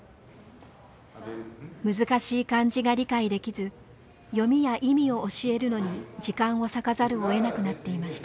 難しい漢字が理解できず読みや意味を教えるのに時間を割かざるをえなくなっていました。